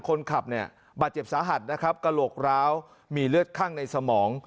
คนขับเนี่ยบาดเจ็บสาหัสนะครับกระโหลกร้าวมีเลือดข้างในสมอง